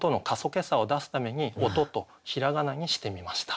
けさを出すために「おと」と平仮名にしてみました。